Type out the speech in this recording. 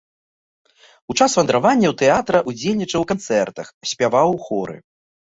У час вандраванняў тэатра ўдзельнічаў у канцэртах, спяваў у хоры.